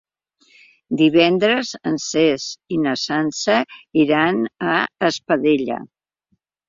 Divendres en Cesc i na Sança iran a Espadella.